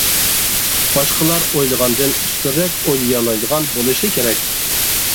باشقىلار ئويلىغاندىن ئۈستۈنرەك ئويلىيالايدىغان بولۇشى كېرەك.